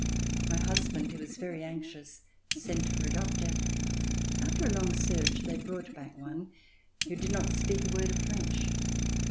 My husband who was very anxious sent for a doctor. After a long search they brought back one who did not speak a word of French.